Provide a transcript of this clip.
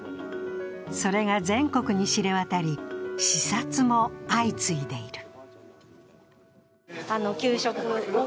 それが全国に知れ渡り、視察も相次いでいる。